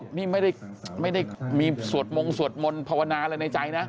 คุณวิโรศบอกนี่ไม่ได้มีสวดมงค์สวดมนตร์ภาวนาอะไรในใจนะ